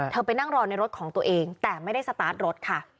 ไปนั่งรอในรถของตัวเองแต่ไม่ได้สตาร์ทรถค่ะ